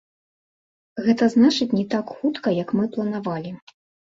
Гэта значыць, не так хутка, як мы планавалі.